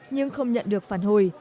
nhưng không nhận được phản hồi